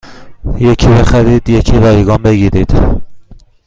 یکی بخرید یکی رایگان بگیرید